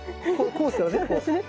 こうですよねこう。